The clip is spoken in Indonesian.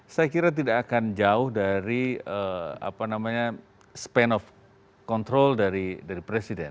saya kira tidak akan jauh dari span of control dari presiden